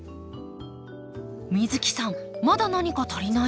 美月さんまだ何か足りない気が。